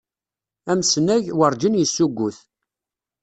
Amsnag, werǧin yessugut.